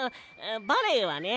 バレエはね